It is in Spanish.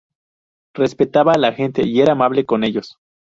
Respetaba a la gente y era amable con ellos.